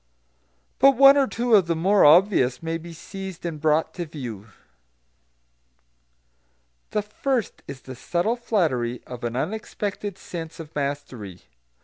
But one or two of the more obvious may be seized and brought to view. The first is the subtle flattery of an unexpected sense of mastery.